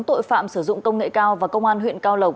phòng chống tội phạm sử dụng công nghệ cao và công an huyện cao lộc